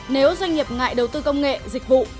nếu doanh nghiệp ngại đầu tư công nghệ dịch vụ